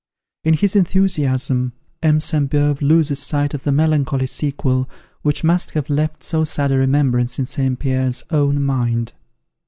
In his enthusiasm, M. Sainte Beuve loses sight of the melancholy sequel, which must have left so sad a remembrance in St. Pierre's own mind.